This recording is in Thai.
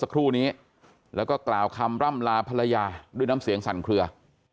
สักครู่นี้แล้วก็กล่าวคำร่ำลาภรรยาด้วยน้ำเสียงสั่นเคลือ